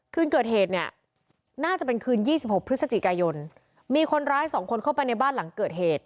เป็นเครื่องเกิดเหตุมีคนร้าย๒คนเกิดเข้าในบ้านหลังเกิดเหตุ